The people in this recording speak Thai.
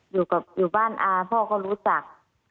อยู่บ้านอาพ่อก็รู้จัก